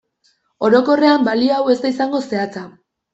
Orokorrean balio hau ez da izango zehatza.